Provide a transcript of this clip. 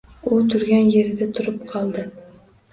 U turgan yerida turib qoldi.